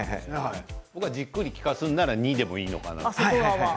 じっくり効かすのなら２でもいいのかなと。